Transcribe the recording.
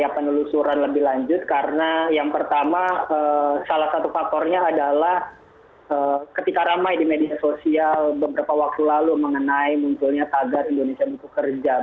penelusuran lebih lanjut karena yang pertama salah satu faktornya adalah ketika ramai di media sosial beberapa waktu lalu mengenai munculnya tagar indonesia butuh kerja